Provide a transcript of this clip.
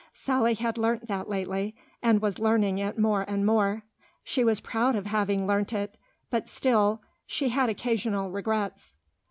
Sally had learnt that lately, and was learning it more and more. She was proud of having learnt it; but still, she had occasional regrets.